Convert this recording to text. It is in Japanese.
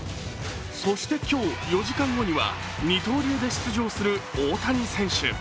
そして今日４時間後には二刀流で出場する大谷選手。